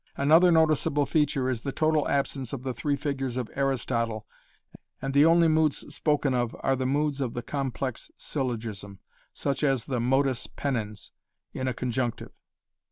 Another noticeable feature is the total absence of the three figures of Aristotle and the only moods spoken of are the moods of the complex syllogism, such as the modus penens in a conjunctive.